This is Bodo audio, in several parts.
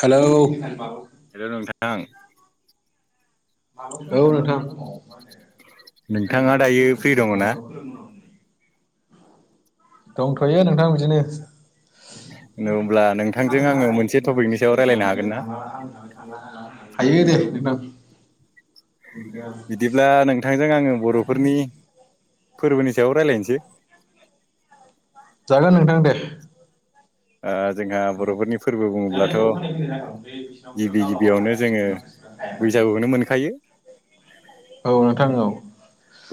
हेलौ ओं औ नोंथां नोंथाङा दायो फ्रि दङ ना? [unintelligible] दंथ'यो नोंथां बिदिनो हो होमब्ला नोंथांजों आङो मोनसे टपिकनि सायाव रायज्लायनो हागोन ना ओ हागोन हागोन हायो दे नोंथां बिा [unintelligible] बिदिब्ला नोंथांजों आङो बर'फोरनि फोरबोनि सायाव रायज्लायनोसै जागोन नोंथां दे जोंहा बर'फोरनि फोरबो बुङोब्लाथ' गिबि गिबियावनो जोङो बैसागुखौनो मोनखायो औ नोंथां औ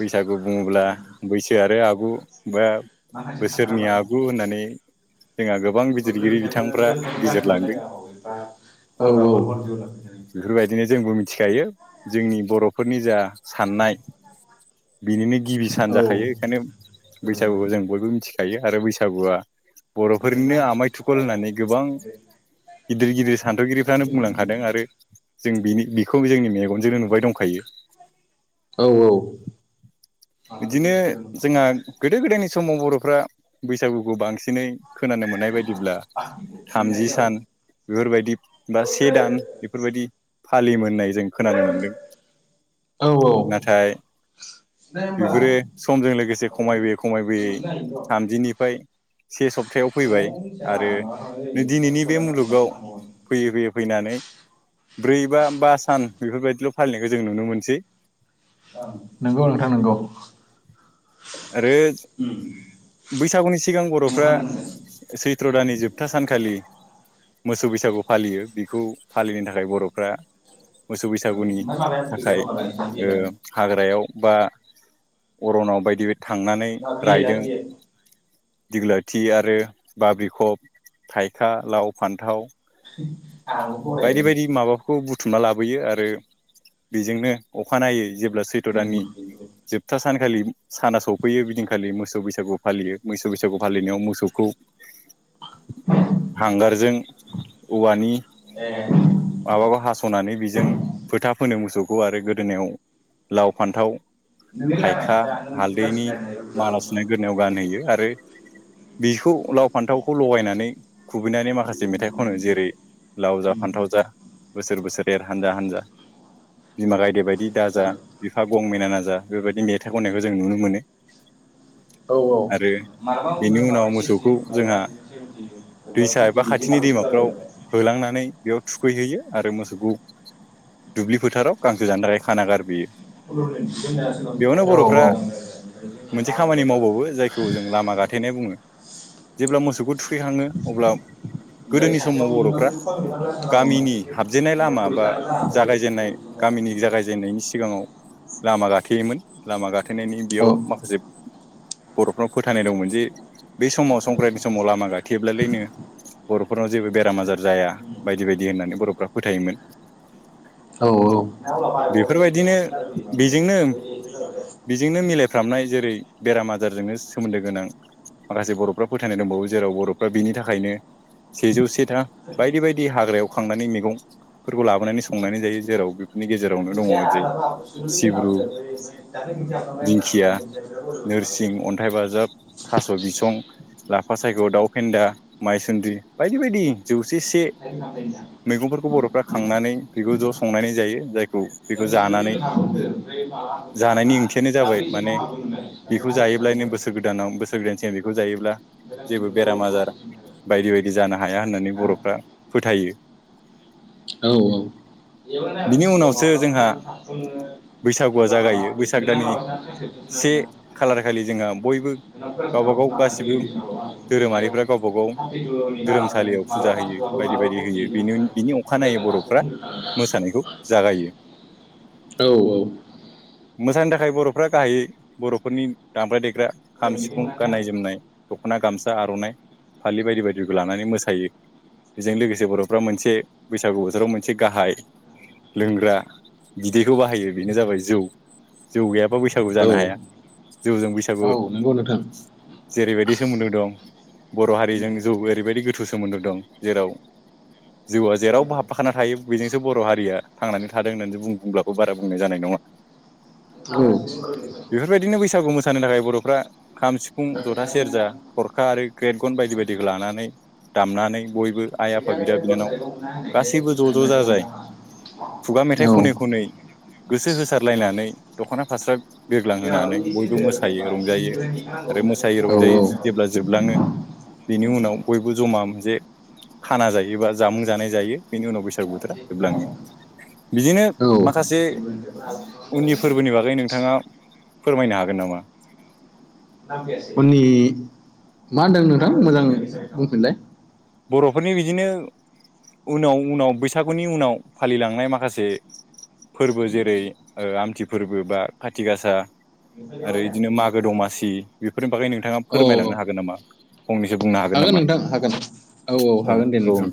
बैसागु बुङोब्ला बैसो आरो आगु बा बोसोरनि आगु होननानै जोंहा गोब गोरोंनिफ्रायबो गोरों जालांबाय एबा औ औ बेफोरबायदिनो जोंबो मिथिखायो जोंनि बर'फोरनि जा साननाय बिनिनो गिबि सान जाखायो बेखायनो बैसागुखौ जों बयबो मिथिखायो आरो बैसागुआ बर'फोरनिनो आमाय थुखल होननानै गोबां गिदिर गिदिर सान्थौगिरि फ्रानो बुंलांखादों आरो जों बिनि बेखौ जोंनि मेगनजोंनो नुबाय दंखायो औ औ बिदिनो जोंहा गोदो गोदायनि समाव बर'फ्रा बैसागुखौ बांसिनै खोनानो मोननाय बायदिब्ला थामजि सान बेफोरबायदि बा से दान बेफोरबायदि फालि मोननाय जों खोनानो मोनदों औ औ नाथाय बेफोरो समजों लोगोसे खमायबोयै खमायबोयै थामजिनिफ्राय से सप्तायाव फैबाय आरो दिनैनि बे मुलुगाव [unintelligible] फैयै फैयै फैनानै ब्रै बा बा सान बेफोरबायदिल' फालिनायखौ जों नुनो मोनसै नंगौ नोंथां नोंगौ आरो बैसागुनि सिगां बर'फ्रा सैत्र' दानानि जोबथा सानखालि मोसौ बैसागु फालियो बेखौ फालिनो थाखाय बर'फ्रा मोसौ बैसागुनि थाखाय ओ हाग्रायाव बा अरनाव बायदि थांनानै रायदों दिग'लिथि आरो बाब्रिखब थाइखा लाव फान्थाव बायदि बायदि माबा खौ बुथुमना लाबोयो आरो बेजोंनो अखानायै जेब्ला सैत्र' दाननि जोबथा सानखालि साना सौफैयो बिदिनखालि मोसौ बैसागु फालियो मोसौ बैसागु फालिनायाव मोसौखौ हांगारजों औवानि ए माबाबा हास'नानै बिजों फोथा फोनो मोसौखौ आरो गोदोनायाव लाव फान्थाव नोंनि थाइखा लाबोनायसै दा नों बुरजासिन लाबोनो [unintelligible] बानायो आरो बिखौ लाव फान्थावखौ लगायनानै खुबैनानै माखासे मेथाइ खनो जेरै लाव जा फान्थाव जा बोसोर बोसोर हानजा हानजा बिमा गायदे बायदि दाजा बिफा गं मेनाना जा बेबायदि मेथाइ खननायखौ जों नुनो मोनो औ औ आरो मालाबा बेनि अबेबा उनाव माबा सिक्सटि मोसौखौ जोंहा मालाबा बिनो सेभेनटिबा दैसा एबा फिफटि बिदि खाथिनि दैमाफ्राव हाबरायबाय [unintelligible] होलांनानै बेयाव थुखैहैयो आरो मोसौखौ दुब्लि फोथाराव गांखो जानदाराय खाना गारबोयो औ बेयावनो बर'फ्रा औ मोनसे खामानि मावबावो जायखौ जों लामा गाथेनाय बुङो जेब्ला मोसौखौ थु खैखाङो अब्ला गोदोनि समाव बर'फ्रा गामिनि हाबजेननाय लामा बा जागायजेनन्नाय गामिनि जागायजेननायनि सिगाङाव लामा गाथेयोमोन लामा गा थेनायनि बेयाव माखासे बर'फ्राव फोथायनाय दंमोन जे बे समाव संक्रान्ति समाव लामा गाथेयोब्लालायनो बर'फोरनाव जेबो बेराम आजार जाया बायदि बायदि होननानै बर'फ्रा फोथायोमोन। बेफोरबायदिनो औ बेजोंनो औ बेजोंनो मिलायफ्रामनाय जेरै बेराम आजारजोंनो सोमोन्दो गोनां माखासे बर'फ्रा फोथायनाय दंबावो जेराव बर'फ्रा बिनि थाखायनो सेजौ से था बायदि बायदि हाग्रायाव खांनानै मैगंफोरखौ लाबोनानै संनानै जायो जेराव बेफोरनि गेजेराव मिथिया [unintelligible] दाखालि खानसे हाबखांबाय आंना दिंखिया ओमफाय [unintelligible] नोरसिं हाबाखै अन्थाइ बाजाब थास' बिसं लाफा सायख' दाउ फेन्दा माइसुन्द्रि बायदि बायदि जौसे से मैगंफोरखौ बर'फ्रा खांनानै बिगुर ज' संनानै जायो जायखौ बेखौ जानानै जानायनि ओंथियानो [unintelligible] जाबाय माने बेखौ जायोब्ला नो बोसोर गोदानाव बोसोर गोदान सिगां बेखौ जायोब्ला जेबो बेराम आजार बायदि बायदि जानो हाया होननानै बर'फ्रा बा फोथायो। औ औ बेबो बिनि उनावसो जोंहा बैसागुआ जागायो बैसाग दाननि से खालार खालि जोंहा बयबो गावबा गाव गासिबो धोरोमारिफ्रा गावबा गाव [unintelligible] धोरोमसालियाव [unintelligible] [unintelligible] फुजा होयो बायदि बायदि होयो बेनि बिनि अखानायै बर'फ्रा मोसानायखौ [unintelligible] जागायो औ औ। मोसानो थाखाय बर'फ्रा गाहायै बर'फोरनि दामग्रा देग्रा खाम सिफुं गाननाय जोमनाय दख'ना गामसा आर'नाइ फालि बायदि बायदिखौ लानानै मोसायो बेजों लोगोसे बर'फ्रा मोनसे बैसागु बोथोराव मोनसे गाहाय लोंग्रा बिदैखौ बाहायो बेनो जाबाय जौ जौ गैयाबा बैसागु औ जानो हाया जौजों बैसागु नंगौ नोंथां जेरैबायदि सोमोन्दो दं बर' हारिजों जौ ओरैबायदि गोथौ सोमोन्दो दं जेराव जौआ जेरावबो हाबफाखाना थायो बेजोंसो बर' हारिया थांनानै थादों होन्नानै बुं बुंब्लाबो बारा बुंनाय जानाय नङा ओम बेफोरबायदिनो बैसागु मोसानो थाखाय बर'फ्रा खाम सिफुं जथा सेरजा थरखा आरो ग्रेट गन बायदि बायदिखौ लानानै दामनानै बयबो आइ आफा बिदा बिनानाव गासैबो ज' ज' जाजाय खुगा मेथाइ औ खनै खनै गोसो होसारलायनानै दख'ना फास्रा बिरग्लांहोनानै बयबो मोसायो रंजायो आरो मोसायै रंजायै जेब्ला जोबलाङो बिनि उनाव बयबो जमा मोनसे खाना जायो बा जामुं जानाय जायो बेनि उनाव बैसागु बोथोरा जोबलाङो। बिदिनो औ माखासे उननि फोरबोनि बागै नोंथाङा फोरमायनो हागोन नामा? उननि। मा होनदों नोंथां मोजां बुंफिनलाय? बर'फोरनि बिदिनो उनाव उनाव बैसागुनि उनाव फालिलांनाय माखासे फोरबो जेरै ओ आमथि फोरबो बा खाथि गासा आरो बिदिनो मागो दमासि बेफोरनि बागै नोंथाङा औ फोरमायलांनो हागोन नामा फंनैसो बुंनो हागोन। हागोन नामा? नोंथां हागोन औ औ हागोन दे नोंथां।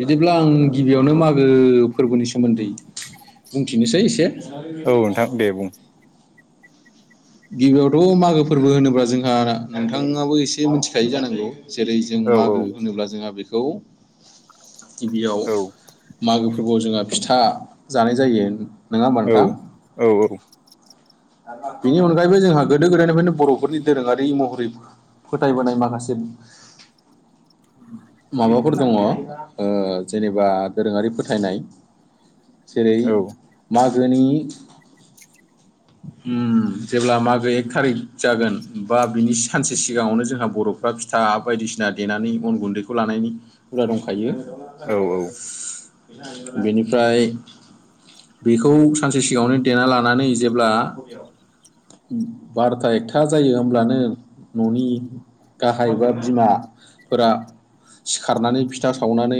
बिदिब्ला आं गिबियावनो मागो फोरबोनि सोमोन्दै बुंथिनोसै एसे। औ नोंथां दे बुं। गिबियावथ' मागो फोरबो होनोब्ला जोंहा नोंथाङाबो एसे मिथिखायो जानांगौ? जेरै जों औ औ मागो होनोब्ला जोंहा बेखौ गिबियाव औ मागो फोरबोआव जोंहा फिथा जानाय जायो। नङा होमबा औ नोंथां औ औ बेनि अनगायैबो जोंहा गोदो गोदायनिफ्रायनो बर'फोरनि दोरोङारि महरैबो फोथायबोनाय माखासे माबाफोर दङ जेनेबा दोरोङारि फोथायनाय जेरै औ मागोनि ओम जेब्ला मागो एक थारिक जागोन बा बिनि सानसे सिगाङावनो जोंहा बर' एबा फिथा बायदिसिना देनानै अन गुन्दैखौ लानायनि हुदा दंखायो औ बेनिफ्राय बेखौ सानसे सिगाङावनो देना लानानै जेब्ला बार'था एकथा जायो होमब्लानो न'नि गाहाय बा बिमाफोरा सिखारनानै फिथा सावनानै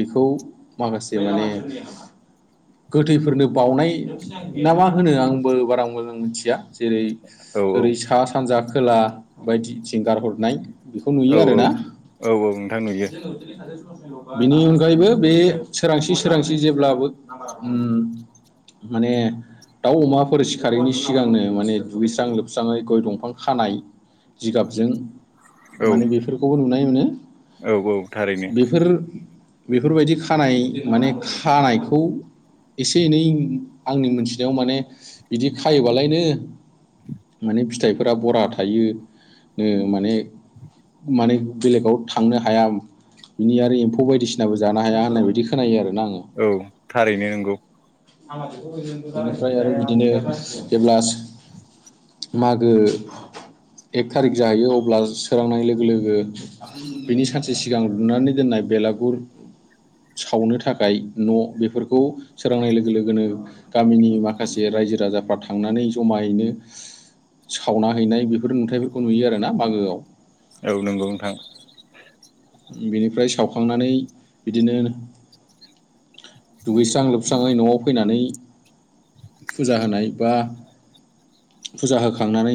बेखौ माखासे माने गोथैफोरनो बावउनाय ना मा होनो आंबो बारा मोजां मिथिया जेरै औ ओरै सा सानजा खोला बायदि थिंगारहरनाय बेखौ औ नुयो आरो ना औ नोंथां नुयो बेनि अनगायैबो बे सोरांसि सोरांसि जेब्लाबो माने दाउ अमाफोर सिखारिनि सिगां सिगांनो माने दुगैस्रां लोबस्राङै गय दंफां खानाय जिगाबजों औ माने बेफोरखौबो नुनाय मोनो औ औ थारैनो बेफोर बेफोरबायदि खानाय माने खानायखौ एसे एनै आंनि मोनथिनायाव माने बिदि खायोबालायनो माने फिथाइफोरा बरा थायो माने माने बेलेगाव थांनो हाया बिनि आरो एम्फौ बायदिसिनाबो जानो हाया होननाय बायदि खोनायो आरोना आङो औ थारैनो नंगौ निफ्राय आरो बिदिनो जेब्ला मागो एक थारिख जाहैयो अब्ला सोरांनाय लोगो लोगो बिनि सानसे सिगां लुनानै दोननाय बेलागुर सावनो थाखाय न' बेफोरखौ सोरांनाय लोगो लोगोनो गामिनि माखासे रायजो राजाफ्रा थांनानै जमायैनो सावना हैनाय बेफोर नुथायफोरखौ नुयो आरो ना मागोआव औ नंगौ नोंथां बिनिफ्राय सावखांनानै बिदिनो दुगैस्रां लोबस्राङै न'आव फैनानै फुजा होनाय बा फुजा होखांनानै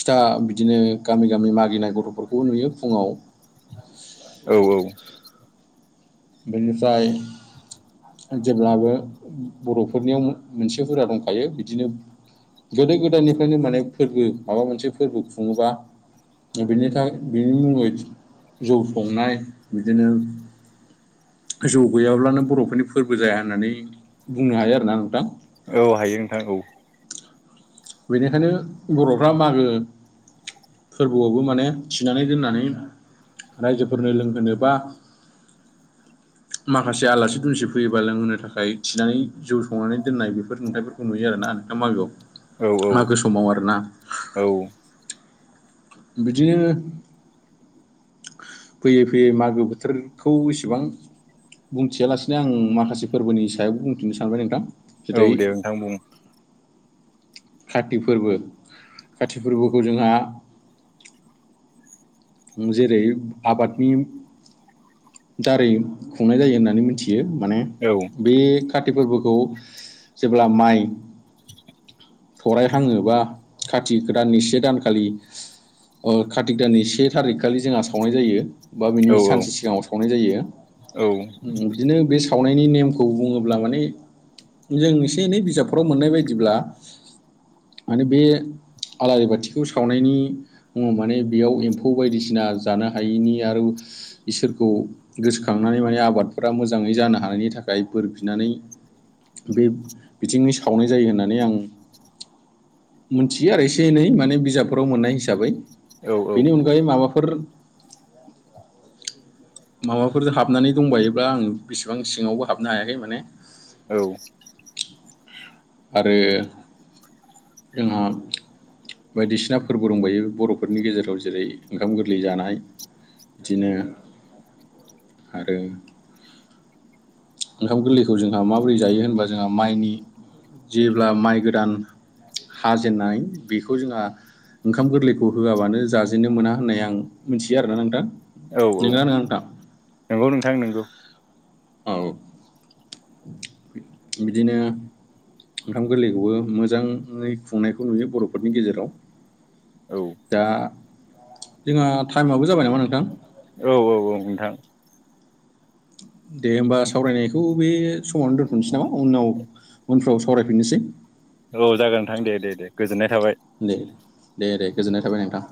फिथा बिदिनो गामि गामि मागिनाय गथ'फोरखौबो नुयो फुङाव औ औ बेनिफ्राय जेब्लाबो बर'फोरनियाव मोनसे हुदा दंखायो बिदिनो गोदो गोदायनिफ्रायनो माने फोरबो माबा मोनसे फोरबो खुङोबा दा बेनि थाखाय बिनि मुङै जौ संनाय बिदिनो जौ गैयाब्लानो बर'फोरनि फोरबो जाया होननानै बुंनो हायो आरोना नोंथां औ हायो नोंथां औ बेनिखायनो बर'फ्रा मागो फोरबोआवबो माने थिनानै दोननानै रायजोफोरनो लोंहोनोबा [inaudible] माखासे आलासि दुमसि फैयोबा लोंहोनो थाखाय थिनानै जौ संनानै दोननाय बेफोर नुथाइफोरखौ नुयो आरोना नोंथां मागोआव औ औ मागो समाव आरोना औ। बिदिनो फैयै फैयै मागो बोथोरखौ इसेबां बुंथियालासिनो आं माखासे फोरबोनि सायावबो बुंथिनो सानबाय नोंथां। औ जेरै दे नोंथां बुं। काति फोरबो काति फोरबोखौ जोंहा जेरै आबादनि दारै खुंनाय जायो होननानै मिथियो माने औ। बे काति फोरबोखौ जेब्ला माइ थराय हाङोबा खाथि दाननि से दानखालि ओ खाति दाननि से थारिख खालि जोंहा सावनाय जायो बा बिनि औ सानसे सिगाङाव सावनाय जायो। औ बिदिनो बे सावनायनि नेमखौ बुङोब्ला माने जों एसे एनै बिजाबफोराव मोननाय बायदिब्ला माने बे आलारि बाथिखौ सावनायनि मुङाव माने बेयाव एम्फौ फौ बायदिसिना जानो हायैनि आरो इसोरखौ गोसोखांनानै माने आबादफोरा मोजाङै जानो हानायनि थाखाय बोर बिनानै बे बिथिंनि सावनाय जायो होननानै आं मोनथियो आरो एसे एनै माने बिजाबफोराव मोननाय हिसाबै बेनि अनगायै माबाफोर माबाफोर हाबनानै दंबायोब्ला आं बेसेबां सिङावबो हाबनो हायाखै माने औ। आरो जोंहा बायदिसिना फोरबो दंबायो बर'फोरनि गेजेराव जेरै ओंखाम गोरलै जानाय बिदिनो आरो ओंखाम गोरलैखौ जोंहा माबोरै जायो होनबा जोंहा माइनि जेब्ला माइ गोदान हाजेननाय बेखौ जोंहा ओंखाम गोरलैखौ होआबानो जाजेननो मोना होननाय आं मिथियो आरोना नोंथां। औ औ नोंगोना नोङा नोंथां नंगौ नोंथां नोंगौ। औ बिदिनो ओंखाम गोरलैखौबो मोजाङै खुंनायखौ नुयो बर'फोरनि गेजेराव। औ। दा जोंहा टाइमाबो जाबाय नामा नोंथां। औ औ औ नोंथां। दे होमबा सावरायनायखौ बे समावनो दोनथनोसै नामा उनाव उनफ्राव सावरायफिननोसै। औ जागोन नोंथां दे दे दे गोजोननाय थाबाय। दे दे दे गोजोननाय थाबाय नोंथां।